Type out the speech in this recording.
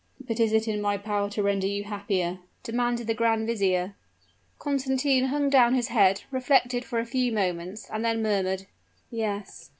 "But is it in my power to render you happier?" demanded the grand vizier. Constantine hung down his head reflected for a few moments, and then murmured "Yes."